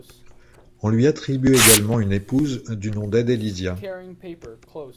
On lui attribue également une épouse du nom d'Adelisia.